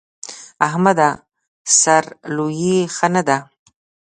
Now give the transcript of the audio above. احمده! سر لويي ښه نه ده.